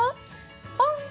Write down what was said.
ポン！